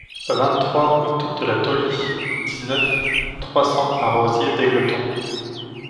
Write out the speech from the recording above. vingt-trois route de la Taulie, dix-neuf, trois cents à Rosiers-d'Égletons